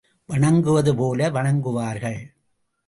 வணங்குவது போல வணங்குவார்கள்.